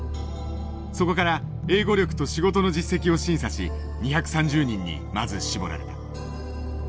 そこから英語力と仕事の実績を審査し２３０人にまず絞られた。